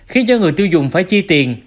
khiến cho người tiêu dùng phải chi tiền